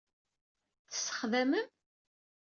Tessexdamem?